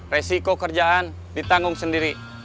resiko kerjaan ditanggung sendiri